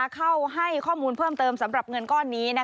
เข้าให้ข้อมูลเพิ่มเติมสำหรับเงินก้อนนี้